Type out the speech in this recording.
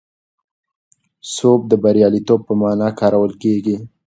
سوب د بریالیتوب په مانا کارول کېږي.